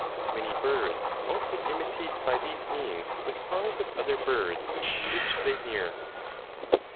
Many birds also imitate 30 by these means the cries of other birds which they hear.